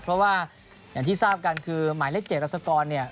เพราะว่าอย่างที่ทราบกันคือหมายเลข๗รัศกรเนี่ย